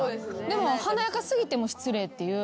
でも華やか過ぎても失礼っていう。